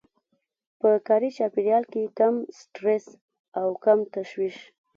په کاري چاپېريال کې کم سټرس او کم تشويش.